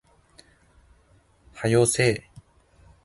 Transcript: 早よせえ